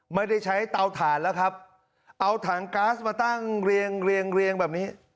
ไม่ได้ใช้เตาถ่านแล้วครับเอาถังก๊าซมาตั้งเรียงเรียงเรียงแบบนี้